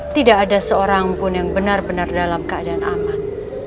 tidak ada seorang pun yang benar benar dalam keadaan aman